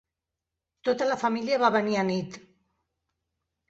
Tota la família va venir anit.